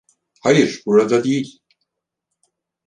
Hayır, burada değil.